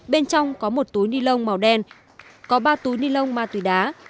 bên trong có một túi ni lông màu đen có ba túi ni lông ma túy đá